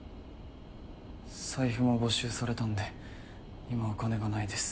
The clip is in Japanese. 財布も没収されたんで今お金がないです。